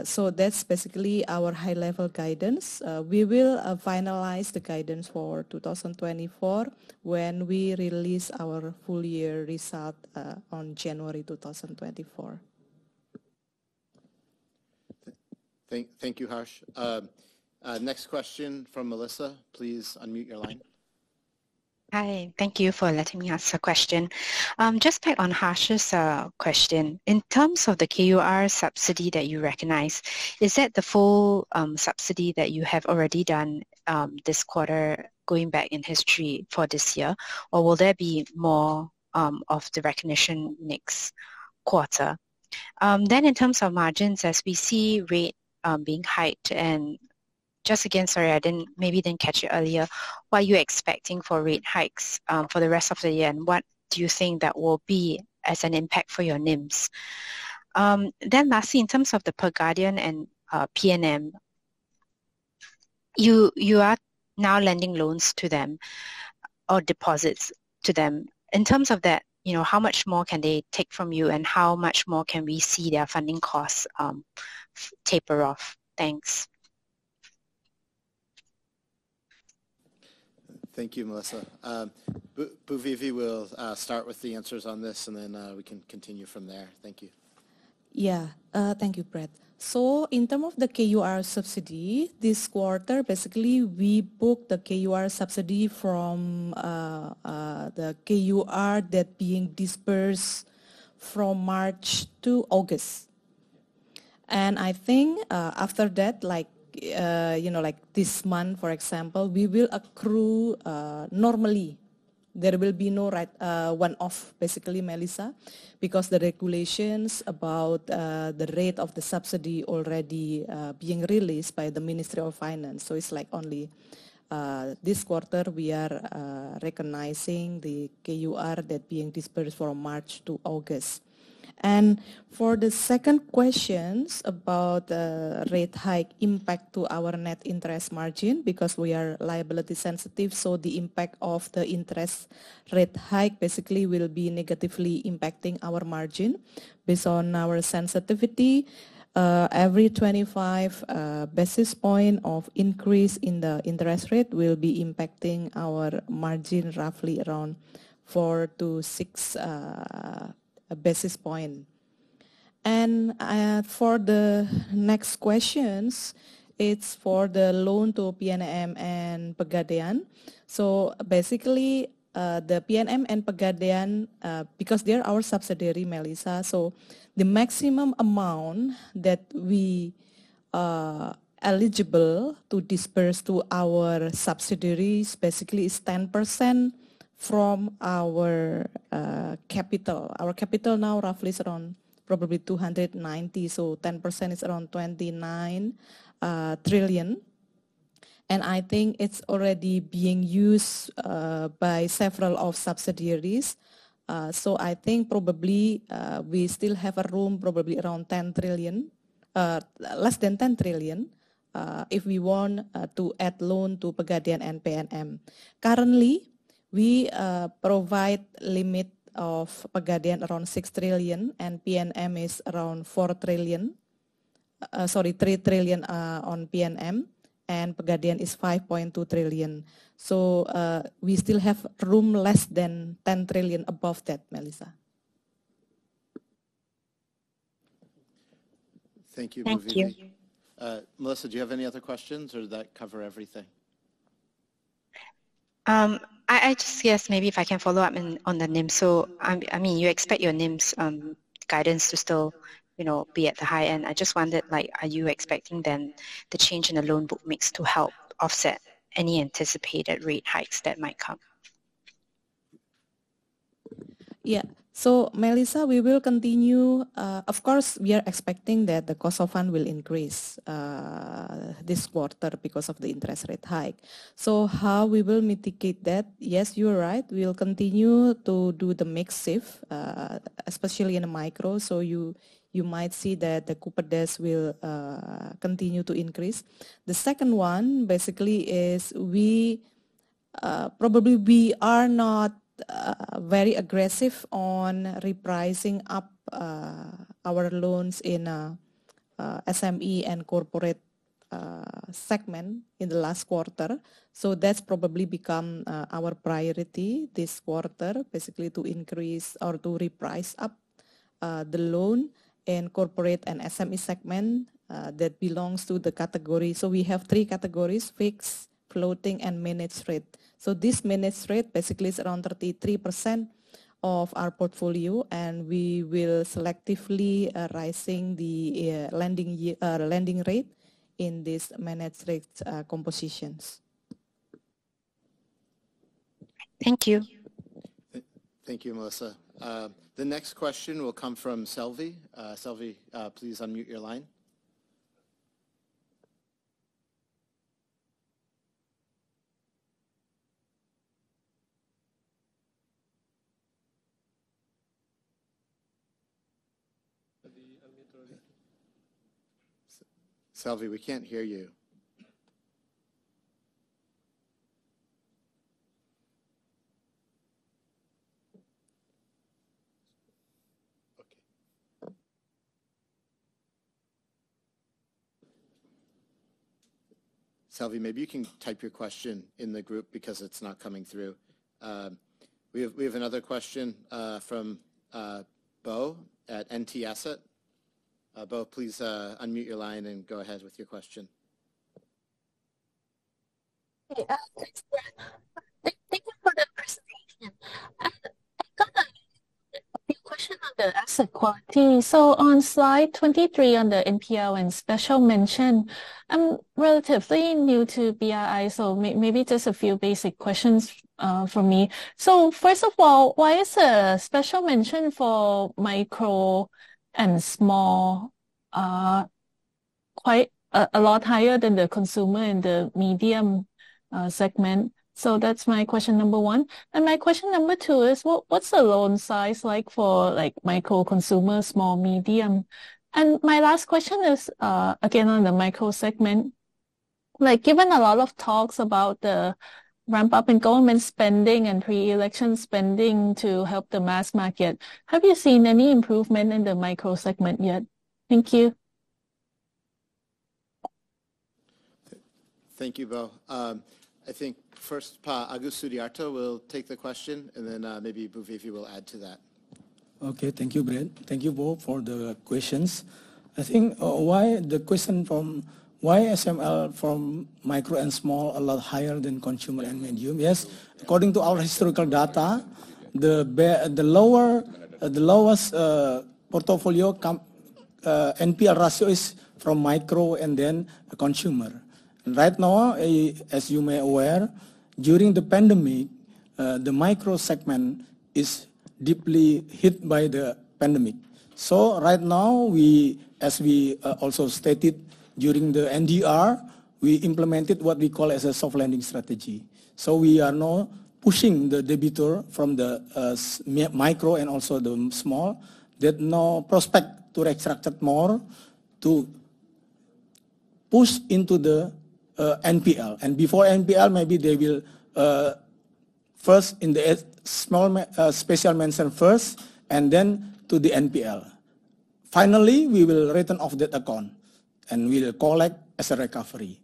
So that's basically our high-level guidance. We will finalize the guidance for 2024 when we release our full year result on January 2024. Thank you, Harsh. Next question from Melissa. Please unmute your line. Hi, thank you for letting me ask a question. Just back on Harsh's question, in terms of the KUR subsidy that you recognize, is that the full subsidy that you have already done this quarter, going back in history for this year, or will there be more of the recognition next quarter? Then in terms of margins, as we see rate being hiked, and just again, sorry, I didn't, maybe didn't catch it earlier, what are you expecting for rate hikes for the rest of the year, and what do you think that will be as an impact for your NIMs? Then lastly, in terms of the Pegadaian and PNM, you are now lending loans to them or deposits to them? In terms of that, you know, how much more can they take from you, and how much more can we see their funding costs taper off? Thanks. Thank you, Melissa. Bu Vivi will start with the answers on this, and then we can continue from there. Thank you. Yeah. Thank you, Brett. So in term of the KUR subsidy, this quarter, basically, we booked the KUR subsidy from the KUR that being disbursed from March to August. And I think, after that, like, you know, like this month, for example, we will accrue normally. There will be no right, one-off, basically, Melissa, because the regulations about the rate of the subsidy already being released by the Ministry of Finance. So it's like only this quarter we are recognizing the KUR that being disbursed from March to August. And for the second questions about rate hike impact to our net interest margin, because we are liability sensitive, so the impact of the interest rate hike basically will be negatively impacting our margin. Based on our sensitivity, every 25 basis points of increase in the interest rate will be impacting our margin roughly around 4-6 basis points. For the next questions, it's for the loan to PNM and Pegadaian. So basically, the PNM and Pegadaian, because they're our subsidiary, Melissa, so the maximum amount that we are eligible to disburse to our subsidiaries basically is 10% from our capital. Our capital now roughly is around probably 290 trillion, so 10% is around 29 trillion. I think it's already being used by several of subsidiaries. So I think probably, we still have a room, probably around 10 trillion, less than 10 trillion, if we want to add loan to Pegadaian and PNM. Currently, we provide limit of Pegadaian around 6 trillion, and PNM is around 4 trillion. Sorry, 3 trillion on PNM, and Pegadaian is 5.2 trillion. So, we still have room less than 10 trillion above that, Melissa. Thank you, Bu Vivi. Thank you. Melissa, do you have any other questions, or did that cover everything? I just yes, maybe if I can follow up on the NIM. So, I mean, you expect your NIM's guidance to still, you know, be at the high end. I just wondered, like, are you expecting then the change in the loan book mix to help offset any anticipated rate hikes that might come? Yeah. So, Melissa, we will continue. Of course, we are expecting that the cost of fund will increase this quarter because of the interest rate hike. So how we will mitigate that? Yes, you're right, we will continue to do the mix shift, especially in the micro, so you might see that the Kupedes will continue to increase. The second one, basically, is we probably are not very aggressive on repricing up our loans in SME and corporate segment in the last quarter. So that's probably become our priority this quarter, basically to increase or to reprice up the loan in corporate and SME segment that belongs to the category. So we have three categories: fixed, floating, and managed rate. This managed rate basically is around 33% of our portfolio, and we will selectively rising the lending rate in this managed rate compositions. Thank you. Thank you, Melissa. The next question will come from Selvie. Selvie, please unmute your line. Selvie, unmute your line. Selvie, we can't hear you. Okay. Selvie, maybe you can type your question in the group because it's not coming through. We have, we have another question from Bo at NT Asset. Bo, please unmute your line and go ahead with your question. Hey, thanks, Brad. Thank you for the presentation. I got a few question on the asset quality. So on slide 23 on the NPL and special mention, I'm relatively new to BRI, so maybe just a few basic questions from me. So first of all, why is the special mention for micro and small quite a lot higher than the consumer and the medium segment? So that's my question number one. And my question number two is: what's the loan size like for like micro consumer, small, medium? And my last question is again on the micro segment. Like, given a lot of talks about the ramp-up in government spending and pre-election spending to help the mass market, have you seen any improvement in the micro segment yet? Thank you. Thank you, Bo. I think first, Pak Agus Sudiarto will take the question, and then, maybe Bu Vivi will add to that. Okay. Thank you, Brad. Thank you, Bo, for the questions. I think, why the question from... Why SML from micro and small a lot higher than consumer and medium? Yes, according to our historical data, the lower, the lowest, portfolio NPL ratio is from micro and then the consumer. And right now, as you may aware, during the pandemic, the micro segment is deeply hit by the pandemic. So right now, we, as we also stated during the NDR, we implemented what we call as a soft landing strategy. So we are now pushing the debtor from the micro and also the small, that no prospect to extract it more, to push into the NPL. And before NPL, maybe they will first in the small special mention first, and then to the NPL. Finally, we will written off that account, and we'll collect as a recovery.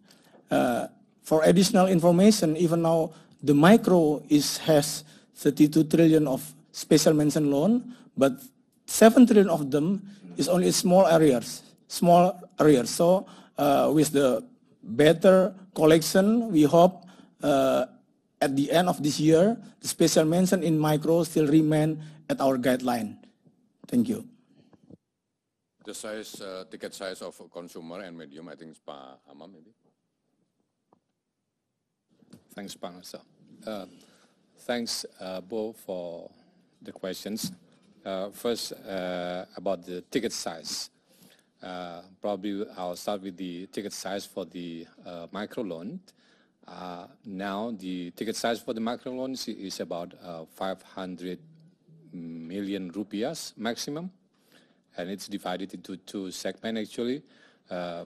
For additional information, even now, the micro has 32 trillion of special mention loan, but 7 trillion of them is only small arrears, small arrears. So, with the better collection, we hope at the end of this year, the special mention in micro still remain at our guideline. Thank you. The size, ticket size of consumer and medium, I think it's Pak Amam, maybe. Thanks, Pak Sunarso. Thanks, both for the questions. First, about the ticket size. Probably I'll start with the ticket size for the micro loan. Now, the ticket size for the micro loans is about 500 million rupiah maximum, and it's divided into two segment, actually.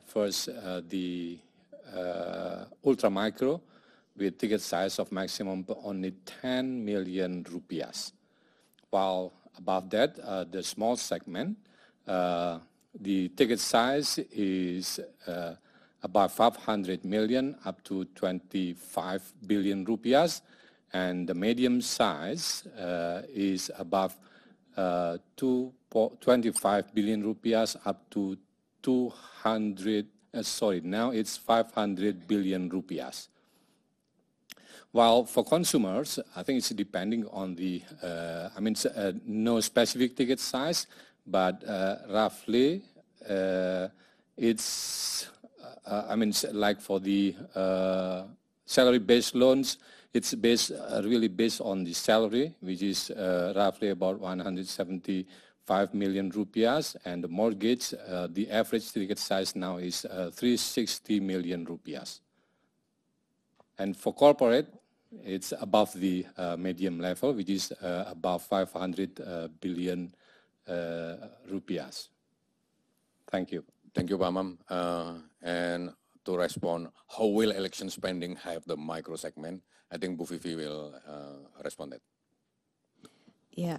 First, the ultra micro, with ticket size of maximum but only IDR 10 million. While above that, the small segment, the ticket size is about 500 million, up to 25 billion rupiah, and the medium size is above twenty-five billion rupiahs, up to two hundred... Sorry, now it's 500 billion rupiah. While for consumers, I think it's depending on the... I mean, no specific ticket size, but, roughly, it's, I mean, like for the, salary-based loans, it's based, really based on the salary, which is, roughly about 175 million rupiah. And the mortgage, the average ticket size now is, 360 million rupiah. And for corporate, it's above the, medium level, which is, above 500 billion rupiah. Thank you. Thank you, Pak Amam. And to respond, how will election spending help the micro segment? I think Bu Vivi will respond it. Yeah.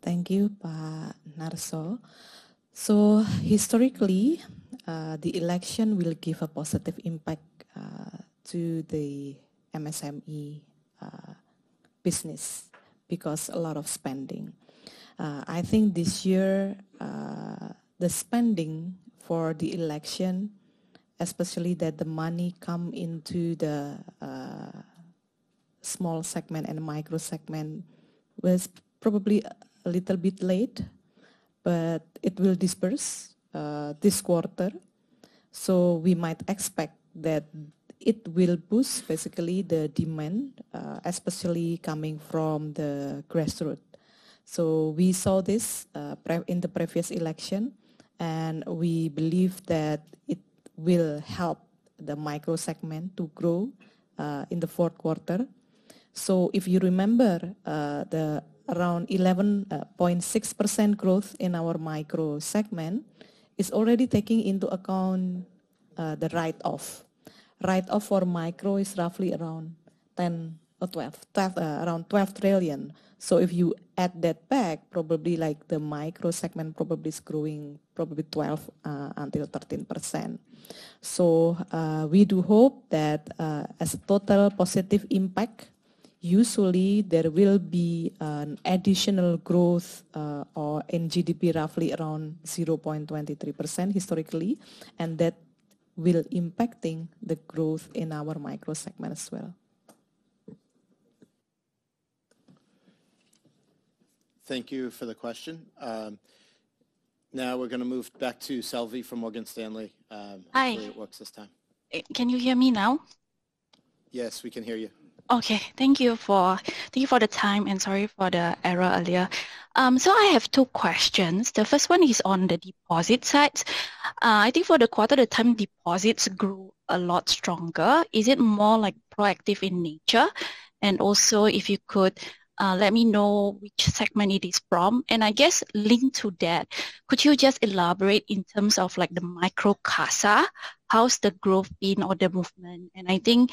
Thank you, Pak Sunarso. So historically, the election will give a positive impact to the MSME business, because a lot of spending. I think this year, the spending for the election, especially that the money come into the small segment and micro segment, was probably a little bit late, but it will disperse this quarter. So we might expect that it will boost basically the demand, especially coming from the grassroots. So we saw this in the previous election, and we believe that it will help the micro segment to grow in the Q4. So if you remember, the around 11.6% growth in our micro segment is already taking into account the write-off. Write-off for micro is roughly around 10% or 12%, around 12 trillion. So if you add that back, probably like the micro segment probably is growing probably 12%-13%. So, we do hope that, as a total positive impact, usually there will be an additional growth, or in GDP, roughly around 0.23% historically, and that will impacting the growth in our micro segment as well. Thank you for the question. Now we're going to move back to Selvie from Morgan Stanley. Hi. Hopefully it works this time. Can you hear me now? Yes, we can hear you. Okay. Thank you for, thank you for the time, and sorry for the error earlier. So I have two questions. The first one is on the deposit side. I think for the quarter, the time deposits grew a lot stronger. Is it more like proactive in nature? And also, if you could, let me know which segment it is from. And I guess linked to that, could you just elaborate in terms of, like, the micro CASA, how's the growth been or the movement? And I think,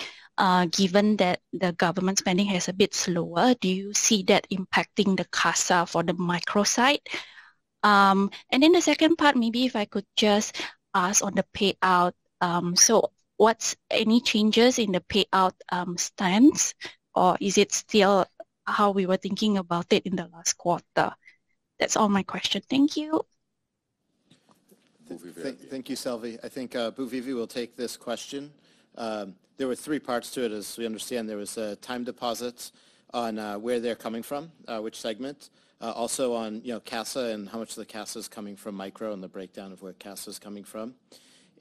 given that the government spending is a bit slower, do you see that impacting the CASA for the micro side? And then the second part, maybe if I could just ask on the payout. So what's any changes in the payout, stance, or is it still how we were thinking about it in the last quarter? That's all my question. Thank you. Bu Vivi, I think thank you, Selvie. I think, Bu Vivi will take this question. There were three parts to it. As we understand, there was time deposits on where they're coming from, which segment. Also on, you know, CASA and how much of the CASA is coming from micro, and the breakdown of where CASA is coming from.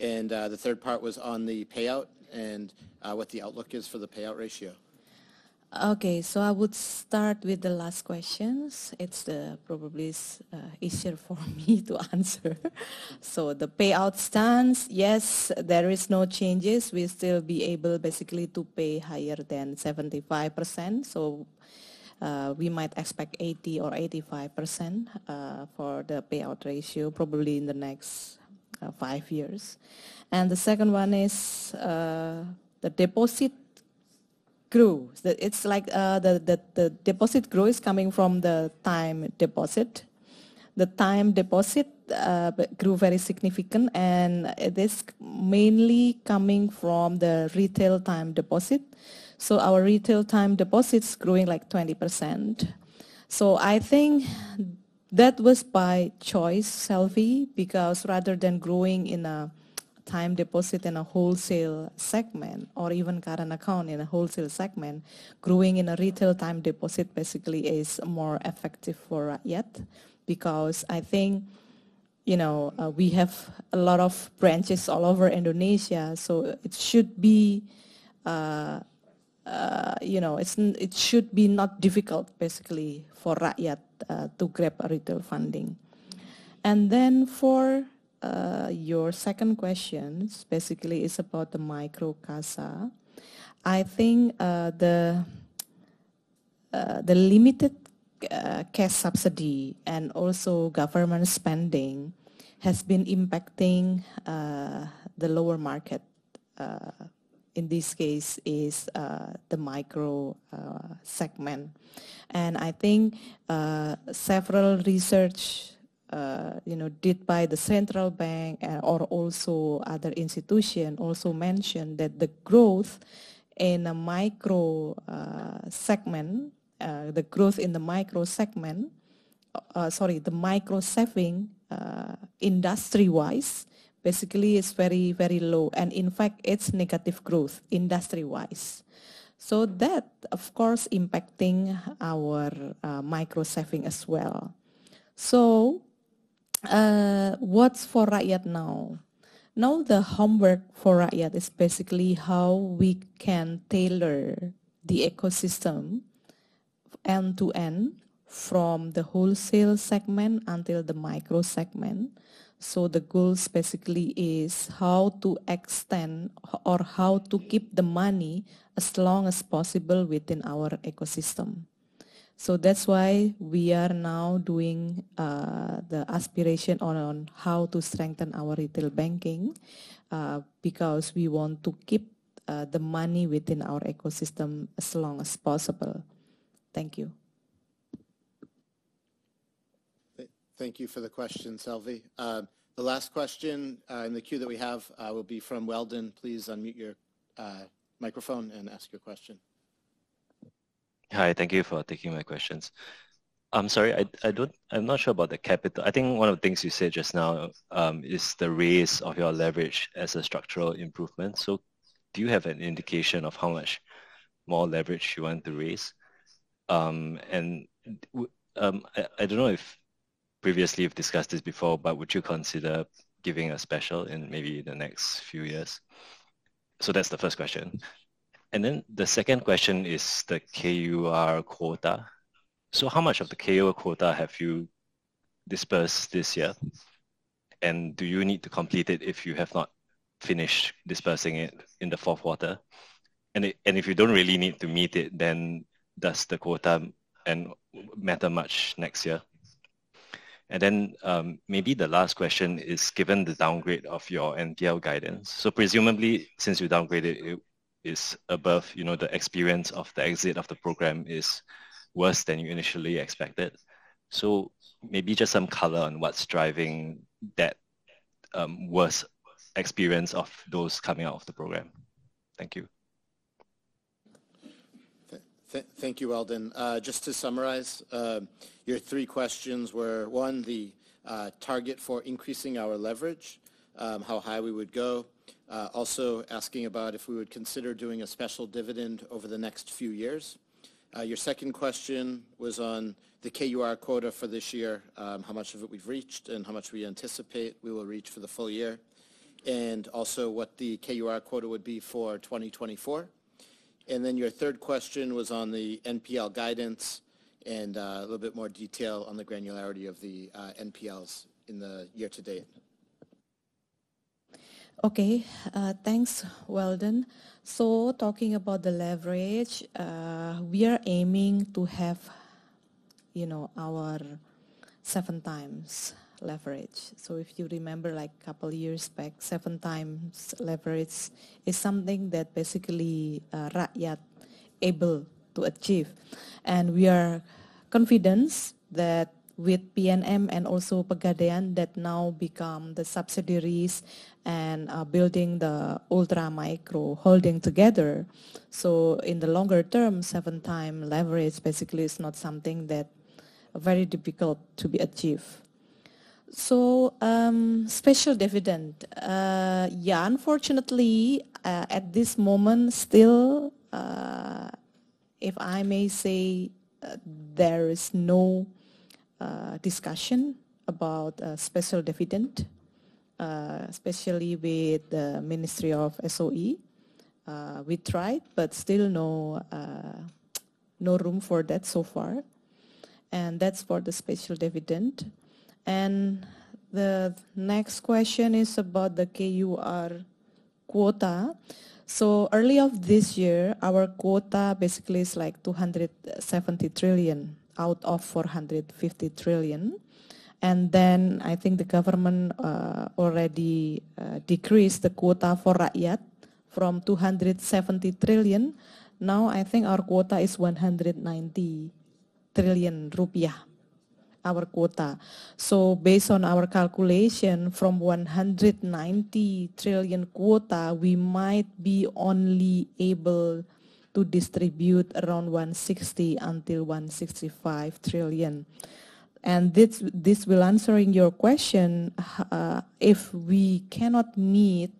The third part was on the payout, and what the outlook is for the payout ratio. Okay, so I would start with the last questions. It's probably easier for me to answer. So the payout stance, yes, there is no changes. We'll still be able basically to pay higher than 75%, so we might expect 80% or 85% for the payout ratio, probably in the next five years. And the second one is the deposit growth. It's like the deposit growth is coming from the time deposit. The time deposit but grew very significant, and it is mainly coming from the retail time deposit. So our retail time deposit's growing, like, 20%. So I think that was by choice, Selvie, because rather than growing in a time deposit in a wholesale segment or even current account in a wholesale segment, growing in a retail time deposit basically is more effective for Rakyat, because I think, you know, we have a lot of branches all over Indonesia, so it should be, you know, it should be not difficult basically for Rakyat to grab retail funding. And then for your second questions, basically is about the micro CASA. I think the limited cash subsidy and also government spending has been impacting the lower market, in this case is the micro segment. I think several research, you know, done by the central bank or also other institution, also mentioned that the growth in the micro segment... Sorry, the micro saving industry-wise basically is very, very low, and in fact, it's negative growth, industry-wise. So that, of course, impacting our micro saving as well. So, what's for Rakyat now? Now, the homework for Rakyat is basically how we can tailor the ecosystem end to end, from the wholesale segment until the micro segment. So the goals basically is how to extend or how to keep the money as long as possible within our ecosystem. So that's why we are now doing the aspiration on how to strengthen our retail banking, because we want to keep the money within our ecosystem as long as possible. Thank you. Thank you for the question, Selvi. The last question in the queue that we have will be from Weldon. Please unmute your microphone and ask your question. Hi, thank you for taking my questions. I'm sorry, I'm not sure about the capital. I think one of the things you said just now is the raise of your leverage as a structural improvement. So do you have an indication of how much more leverage you want to raise? And I don't know if previously you've discussed this before, but would you consider giving a special in maybe the next few years? So that's the first question. And then the second question is the KUR quota. So how much of the KUR quota have you dispersed this year? And do you need to complete it if you have not finished dispersing it in the Q4? And if you don't really need to meet it, then does the quota matter much next year? And then, maybe the last question is, given the downgrade of your NPL guidance... So presumably, since you downgraded it, it's above, you know, the experience of the exit of the program is worse than you initially expected. So maybe just some color on what's driving that, worse experience of those coming out of the program. Thank you. Thank you, Weldon. Just to summarize, your three questions were, one, the target for increasing our leverage, how high we would go. Also asking about if we would consider doing a special dividend over the next few years. Your second question was on the KUR quota for this year, how much of it we've reached and how much we anticipate we will reach for the full year, and also what the KUR quota would be for 2024. And then your third question was on the NPL guidance and, a little bit more detail on the granularity of the NPLs in the year to date. Okay, thanks, Weldon. So talking about the leverage, we are aiming to have, you know, our 7x leverage. So if you remember, like, couple years back, 7x leverage is something that basically Rakyat able to achieve. And we are confidence that with PNM and also Pegadaian, that now become the subsidiaries and are building the Ultra Micro Holding together. So in the longer term, 7x leverage basically is not something that very difficult to be achieved. So special dividend. Yeah, unfortunately, at this moment, still... If I may say, there is no discussion about a special dividend, especially with the Ministry of SOE. We tried, but still no, no room for that so far, and that's for the special dividend. And the next question is about the KUR quota. Early of this year, our quota basically is, like, 270 trillion out of 450 trillion. And then I think the government already decreased the quota for KUR from 270 trillion. Now, I think our quota is 190 trillion rupiah, our quota. So based on our calculation, from 190 trillion quota, we might be only able to distribute around 160-165 trillion. And this, this will answering your question, if we cannot meet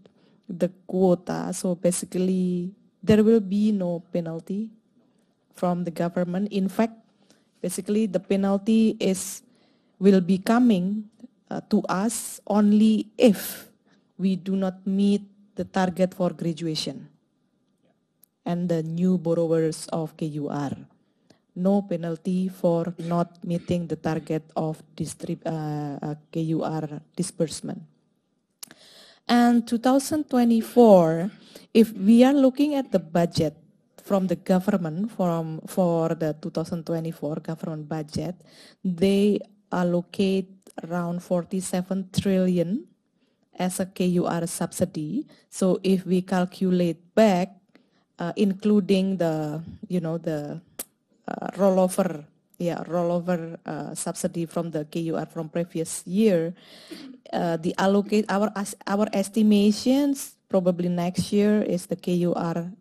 the quota, so basically there will be no penalty from the government. In fact, basically, the penalty is-- will be coming to us only if we do not meet the target for graduation- Yeah. - and the new borrowers of KUR. No penalty for not meeting the target of KUR disbursement. And 2024, if we are looking at the budget from the government, from, for the 2024 government budget, they allocate around 47 trillion as a KUR subsidy. So if we calculate back, including the, you know, the, rollover, rollover, subsidy from the KUR from previous year, Our estimations, probably next year, is the KUR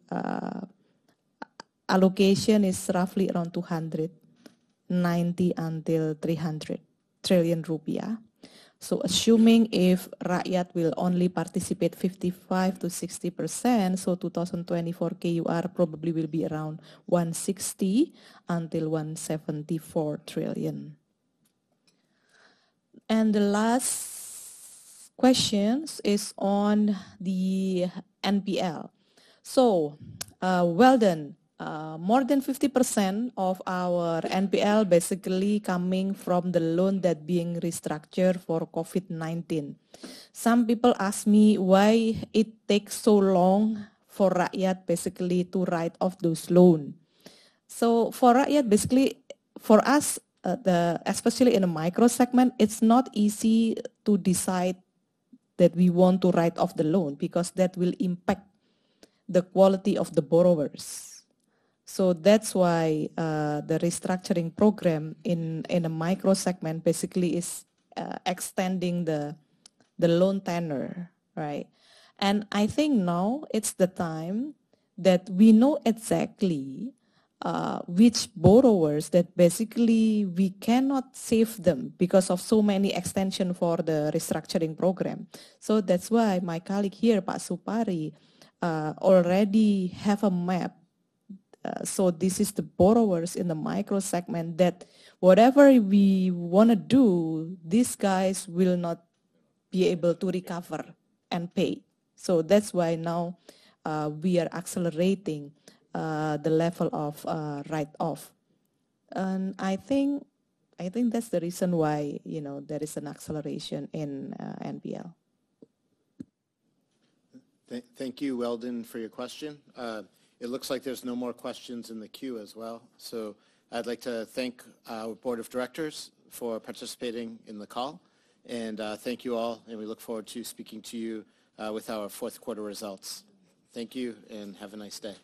allocation is roughly around 290 trillion-300 trillion rupiah. So assuming if Rakyat will only participate 55%-60%, so 2024 KUR probably will be around 160 trillion-174 trillion. And the last questions is on the NPL. So, Weldon, more than 50% of our NPL basically coming from the loan that being restructured for COVID-19. Some people ask me why it takes so long for Rakyat basically to write off those loan. So for Rakyat, basically, for us, the, especially in a micro segment, it's not easy to decide that we want to write off the loan, because that will impact the quality of the borrowers. So that's why, the restructuring program in a micro segment basically is, extending the loan tenure, right? And I think now it's the time that we know exactly, which borrowers that basically we cannot save them because of so many extension for the restructuring program. So that's why my colleague here, Pak Supari, already have a map. So this is the borrowers in the micro segment that whatever we wanna do, these guys will not be able to recover and pay. So that's why now, we are accelerating the level of write off. And I think, I think that's the reason why, you know, there is an acceleration in NPL. Thank you, Weldon, for your question. It looks like there's no more questions in the queue as well. So I'd like to thank our board of directors for participating in the call. And thank you all, and we look forward to speaking to you with our fourth quarter results. Thank you, and have a nice day.